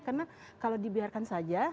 karena kalau dibiarkan saja